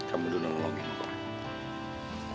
kamu udah nolongin gua